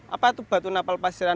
apa itu batu napal pasiran